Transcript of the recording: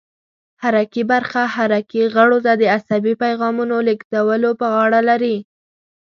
حرکي برخه حرکي غړو ته د عصبي پیغامونو لېږدولو په غاړه لري.